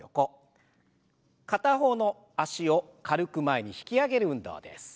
片方の脚を軽く前に引き上げる運動です。